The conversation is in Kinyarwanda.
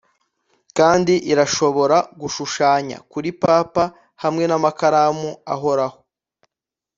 kandi irashobora gushushanya kuri papa hamwe namakaramu ahoraho